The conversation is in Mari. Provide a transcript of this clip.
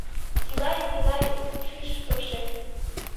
Силай-милай шӱшпыкшӧ